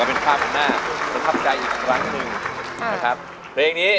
แม่ก็เป็นความแม่น่าแต่ทรัพย์ใจอีกครั้งหนึ่งใช่ครับ